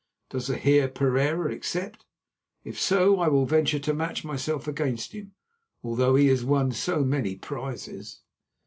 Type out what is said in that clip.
Does the Heer Pereira accept? If so, I will venture to match myself against him, although he has won so many prizes."